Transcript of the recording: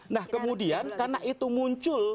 nah kemudian karena itu muncul